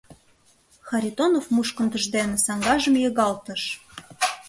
— Харитонов мушкындыж дене саҥгажым йыгалтыш.